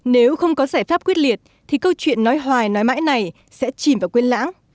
nếu không có giải pháp quyết liệt thì câu chuyện nói hoài nói mãi này sẽ chìm vào quyên lãng